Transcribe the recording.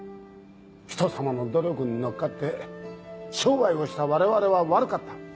人様の努力に乗っかって商売をした我々が悪かった。